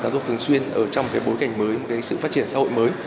giáo dục thường xuyên ở trong cái bối cảnh mới một cái sự phát triển xã hội mới